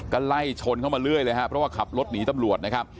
ก็ไล่ชนเข้ามาเรื่อยเลยครับเพราะว่าขับรถหนีตำรวจนะครับ